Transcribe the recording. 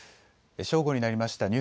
正午になりました。